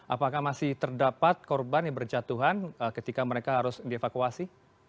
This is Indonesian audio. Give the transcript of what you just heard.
apakah masih terdapat korban yang berjatuhan ketika mereka harus dievakuasi